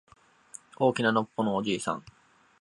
大きなのっぽのおじいさん